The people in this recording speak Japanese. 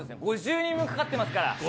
５０人分かかってますから。